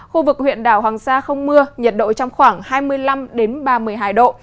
khu vực huyện đảo hoàng sa không mưa nhiệt độ trong khoảng hai mươi năm ba mươi hai độ